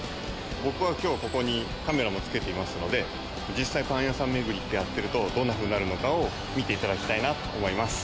僕は今日ここにカメラもつけていますので実際パン屋さん巡りってやってるとどんなふうになるのかを見ていただきたいなと思います